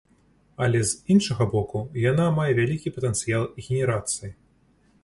Але з іншага боку, яна мае вялікі патэнцыял генерацыі.